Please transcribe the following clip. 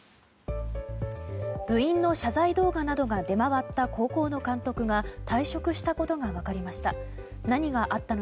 部員の謝罪動画などが出回った高校の監督が退職したことが分かりました。